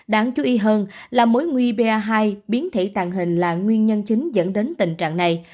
đáng chú ý hơn là mối nguy pa hai biến thể tàng hình là nguyên nhân chính dẫn đến tình trạng này